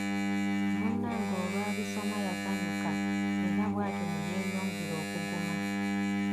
Munnange olwabisoma yasanyuka era bw'atyo ne yeeyongera okuguma.